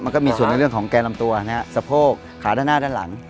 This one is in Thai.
มันก็มีส่วนในเรื่องของแกนลำตัวสะโพกขาด้านหน้าด้านหลัง